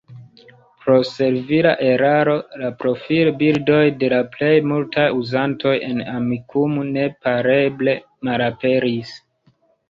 Pro servila eraro la profilbildoj de la plej multaj uzantoj en Amikumu neripareble malaperis.